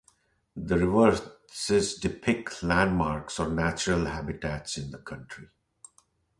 The reverses depict landmarks or natural habitats in the country.